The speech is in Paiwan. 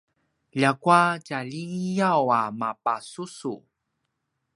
ljakua tjaliyaw a mapasusu